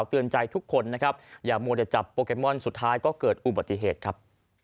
เตือนใจทุกคนนะครับอย่ามัวแต่จับโปเกมอนสุดท้ายก็เกิดอุบัติเหตุครับ